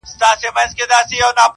يارانو مخ ورځني پټ کړئ گناه کاره به سئ_